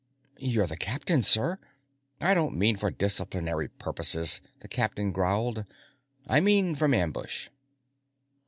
"You're the captain, sir." "I don't mean for disciplinary purposes," the captain growled. "I mean from ambush."